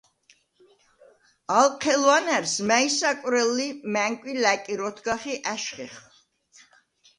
ალ ჴელუ̂ანა̈რს, მა̈ჲ საკუ̂რელ ლი, მა̈ნკუ̂ი ლა̈კირ ოთგახ ი ა̈შხიხ.